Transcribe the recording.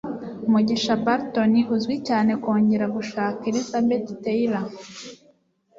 Mugisha Burton uzwi cyane kongera gushaka Elizabeth Taylor